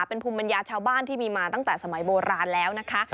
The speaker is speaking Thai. เป็นภูมิปัญญาชาวบ้านที่มีมาตั้งแต่สมัยโบราณแล้วนะคะ